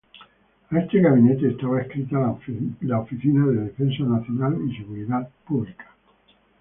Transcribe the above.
A este gabinete estaba adscrita la oficina de Defensa Nacional y Seguridad Pública.